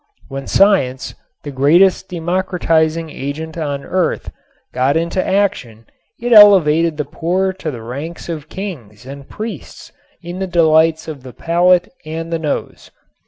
When science, the greatest democratizing agent on earth, got into action it elevated the poor to the ranks of kings and priests in the delights of the palate and the nose.